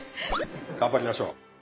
頑張りましょう。